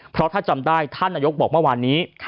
เพราะถ้าจำได้ท่านนายกบอกเมื่อวานนี้